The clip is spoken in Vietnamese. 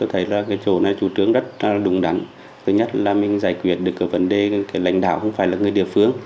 thứ nhất là mình giải quyết được vấn đề lãnh đạo không phải là người địa phương